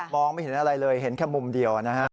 ไม่เห็นอะไรเลยเห็นแค่มุมเดียวนะฮะ